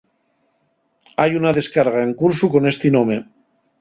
Hai una descarga en cursu con esti nome.